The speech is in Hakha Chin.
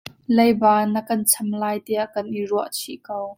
Leiba na kan cham lai tiah kan i ruahchih ko.